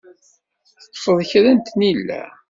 Teṭṭfeḍ kra n tnila?